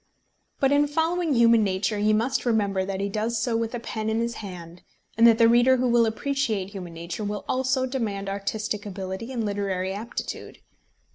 But in following human nature he must remember that he does so with a pen in his hand, and that the reader who will appreciate human nature will also demand artistic ability and literary aptitude.